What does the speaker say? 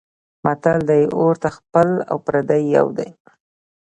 متل دی: اور ته خپل او پردی یو دی.